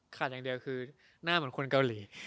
อย่างเดียวคือหน้าเหมือนคนเกาหลี